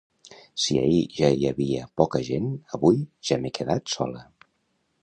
Si ahir ja hi havia poca gent avui ja m'he quedat sola